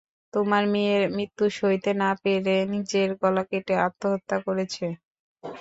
তোমার মেয়ের মৃত্যু সইতে না পেরে নিজের গলা কেটে আত্মহত্যা করেছে।